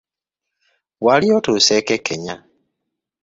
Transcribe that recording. Wali otuuseeko e Kenya?